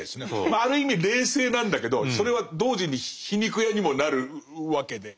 まあある意味冷静なんだけどそれは同時に皮肉屋にもなるわけで。